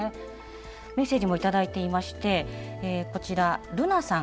メッセージも頂いていましてこちらＬＵＮＡさん